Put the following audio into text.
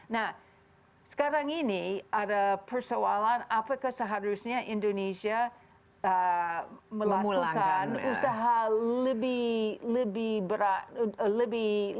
nah sekarang ini ada persoalan apakah seharusnya indonesia melakukan usaha lebih berat lebih